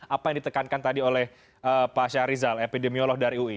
apa yang ditekankan tadi oleh pak syahrizal epidemiolog dari ui